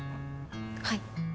はい。